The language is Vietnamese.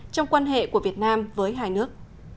trong quan hệ của việt nam với hai nước